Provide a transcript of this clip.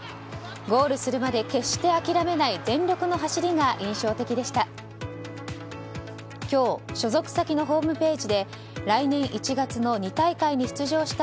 ゴールするまで決して諦めない全力の走りが印象的でした。